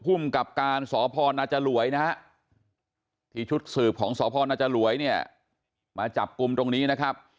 ภูมิกับการสพนจรวยนะฮะที่ชุดสืบของสพนจรวยเนี่ยมาจับกลุ่มตรงนี้นะครับ